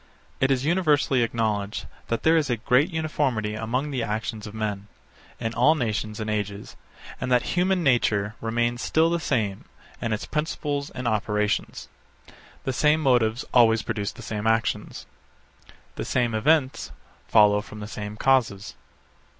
It is universally acknowledged that there is a great uniformity among the actions of men, in all nations and ages, and that human nature remains still the same, in its principles and operations. The same motives always produce the same actions. The same events follow from the same causes.